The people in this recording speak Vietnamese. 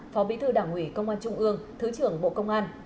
phó bí thư đảng ủy công an trung ương thứ trưởng bộ công an